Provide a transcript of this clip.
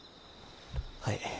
はい。